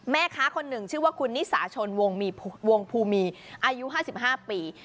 แม่ค้าคนหนึ่งชื่อว่าคุณนิสาชนวงภูมีอายุ๕๕ปี